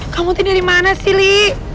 kamu tuh dari mana sih li